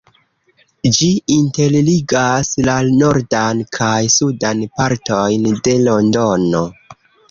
Ĝi interligas la nordan kaj sudan partojn de Londono.